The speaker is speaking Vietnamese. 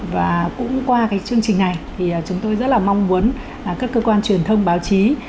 và cũng qua cái chương trình này thì chúng tôi rất là mong muốn các cơ quan truyền thông báo chí